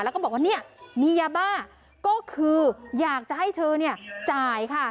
แล้วก็บอกว่าเนี่ยมียาบ้าก็คืออยากจะให้เธอเนี่ยจ่ายค่ะ